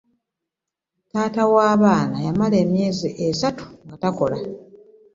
Taata wabaana yamala emyezi esatu nga takola.